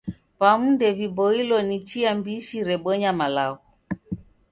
W'amu ndew'iboilo ni chia mbishi rebonya malagho.